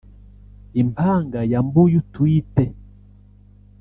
impanga ya Mbuyu twite